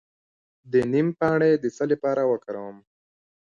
د نیم پاڼې د څه لپاره وکاروم؟